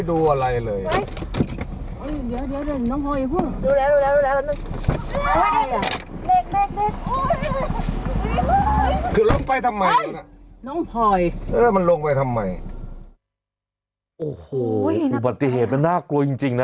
โอ้โหอุบัติเหตุมันน่ากลัวจริงนะ